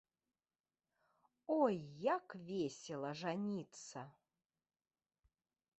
Ой, як весела жаніцца.